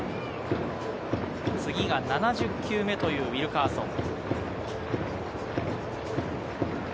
次が７０球目というウィルカーソン。